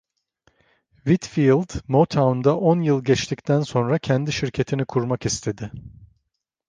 Whitfield, Motown'da on yıl geçtikten sonra kendi şirketini kurmak istedi.